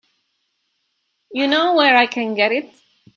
You know where I can get it?